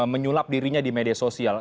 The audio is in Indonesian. menyulap dirinya di media sosial